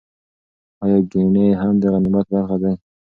ایا ګېڼي هم د غنیمت برخه دي؟